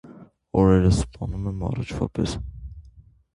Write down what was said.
օրերս սպանում եմ առաջվա պես: